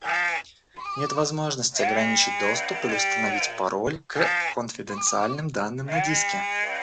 Нет возможности ограничить доступ или установить пароль к конфиденциальным данным на диске